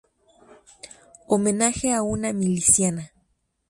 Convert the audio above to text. Homenaje a una miliciana